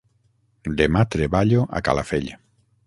Demà treballo a Calafell.